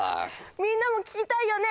みんなも聞きたいよね？